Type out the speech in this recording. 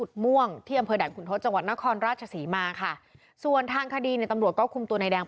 ม่วงที่อำเภอด่านขุนทศจังหวัดนครราชศรีมาค่ะส่วนทางคดีเนี่ยตำรวจก็คุมตัวนายแดง